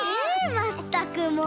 まったくもう！